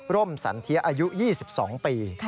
่มสันเทียอายุ๒๒ปี